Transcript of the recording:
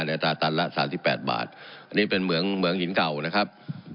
ในอัตราตันละสามสิบแปดบาทอันนี้เป็นเหมืองเหมืองหินเก่านะครับ